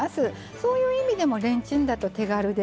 そういう意味でもレンチンだと手軽でね